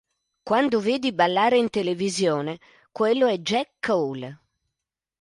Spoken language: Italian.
Quando vedi ballare in televisione, quello è Jack Cole.